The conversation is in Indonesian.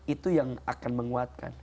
itu yang akan menguatkan